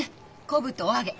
昆布とお揚げ。